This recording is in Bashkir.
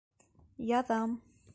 Яҙам!